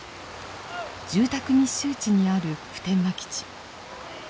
住宅密集地にある普天間基地。